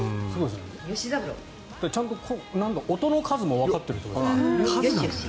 ちゃんと音の数もわかってるってことなんですね。